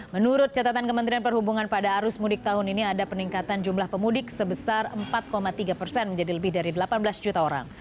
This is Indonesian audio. menurut catatan kementerian perhubungan pada arus mudik tahun ini ada peningkatan jumlah pemudik sebesar empat tiga persen menjadi lebih dari delapan belas juta orang